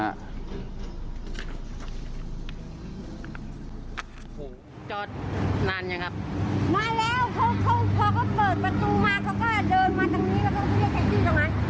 โอ้โหจอดนานยังครับมาแล้วพอพอก็เปิดประตูมาเขาก็เดินมาตรงนี้ก็ต้องขึ้นแท็กซี่ตรงนั้น